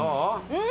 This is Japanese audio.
うん。